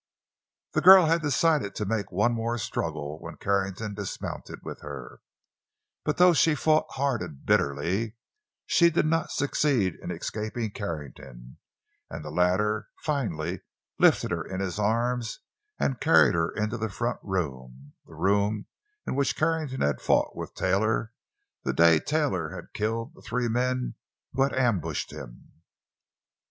The girl had decided to make one more struggle when Carrington dismounted with her, but though she fought hard and bitterly, she did not succeed in escaping Carrington, and the latter finally lifted her in his arms and carried her into the front room, the room in which Carrington had fought with Taylor the day Taylor had killed the three men who had ambushed him.